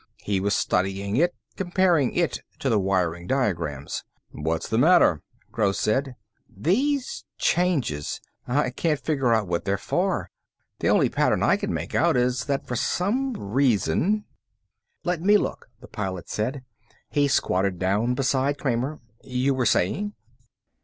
He was studying it, comparing it to the wiring diagrams. "What's the matter?" Gross said. "These changes. I can't figure out what they're for. The only pattern I can make out is that for some reason " "Let me look," the Pilot said. He squatted down beside Kramer. "You were saying?"